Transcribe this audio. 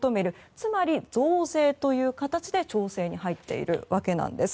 つまり増税という形で調整に入っているわけです。